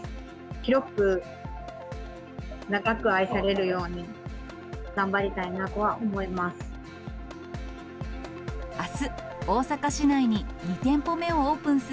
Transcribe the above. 広く長く愛されるように、頑張りたいなとは思います。